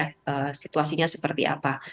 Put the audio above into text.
untuk mencari situasinya seperti apa